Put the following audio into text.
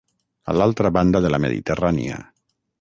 A l’altra banda de la Mediterrània.